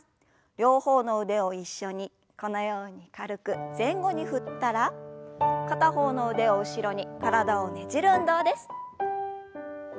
両方の腕を一緒にこのように軽く前後に振ったら片方の腕を後ろに体をねじる運動です。